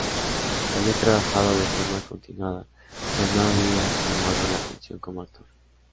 Había trabajado de forma continuada, pero no había llamado la atención como actor.